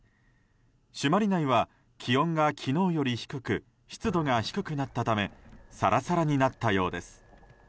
朱鞠内は気温が昨日より低く湿度も低くなったためサラサラになったようです。